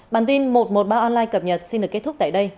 bản tin một trăm một mươi ba online cập nhật xin được kết thúc tại đây